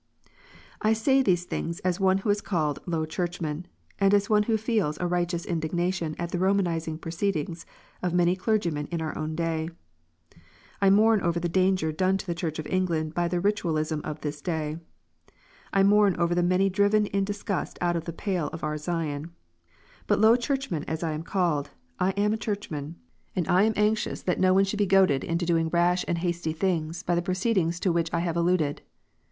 I say these things as one who is called a Low Churchman, and as one who feels a righteous indignation at the Romanizing proceedings of many clergymen in our own day. I mourn over the danger done to the Church of England by the Ritualism of this day. I mourn over the many driven in disgust out of the pale of our Zion. But Low Churchman as I am called, I am a Churchman, and I am anxious that no cme should be goaded THE LORD S SUPPER. 187 into doing rash and hasty things by the proceedings to which I have alluded.